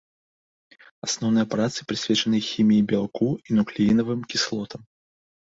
Асноўныя працы прысвечаны хіміі бялку і нуклеінавым кіслотам.